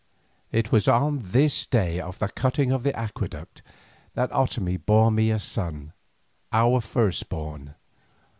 It was on this day of the cutting of the aqueduct that Otomie bore me a son, our first born.